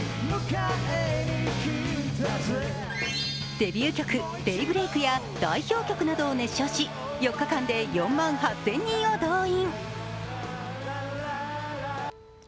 デビュー曲「ＤＡＹＢＲＥＡＫ」や代表曲などを熱唱し、４日間で４万８０００人を動員。